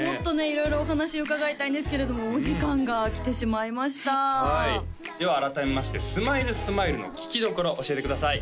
色々お話伺いたいんですけれどもお時間が来てしまいましたはいでは改めまして「ＳＭｉＬＥＳＭｉＬＥ」の聴きどころ教えてください